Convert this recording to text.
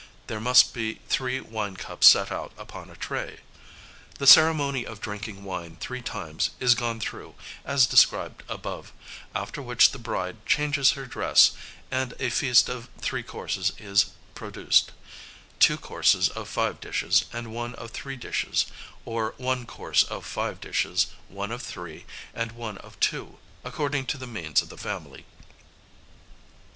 There must be three wine cups set out upon a tray. The ceremony of drinking wine three times is gone through, as described above, after which the bride changes her dress, and a feast of three courses is produced two courses of five dishes and one of three dishes, or one course of five dishes, one of three, and one of two, according to the means of the family.